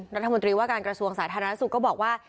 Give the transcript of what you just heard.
รัฐมนตรีว่าการกระทรวงศาสตร์อัฐรนาศุกร์ก็บอกว่า